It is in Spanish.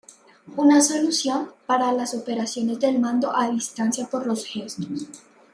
Una solución para las operaciones del mando a distancia por los gestos.